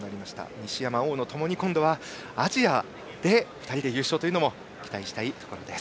西山、大野ともに２人で今度はアジアで優勝というのも期待したいところです。